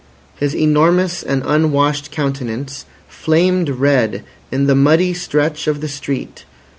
His enormous and unwashed countenance flamed red in the muddy stretch of the street.